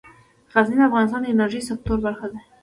غزني د افغانستان د انرژۍ سکتور برخه ده.